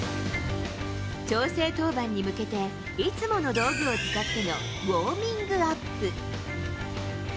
調整登板に向けて、いつもの道具を使ってのウォーミングアップ。